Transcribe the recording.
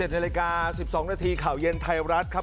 ๑นาฬิกา๑๒นาทีข่าวเย็นไทยรัฐครับ